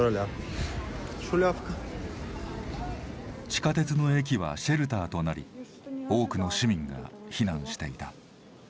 地下鉄の駅はシェルターとなり多くの市民が避難していた。